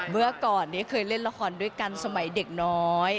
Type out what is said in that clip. เมื่อก่อนนี้เคยเล่นละครด้วยกันสมัยเด็กน้อย